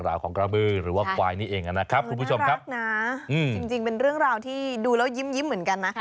รักนะจริงเป็นเรื่องราวที่ดูแล้วยิ้มเหมือนกันนะ